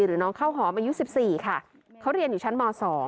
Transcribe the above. หรือน้องข้าวหอมอายุ๑๔ค่ะเขาเรียนอยู่ชั้นม๒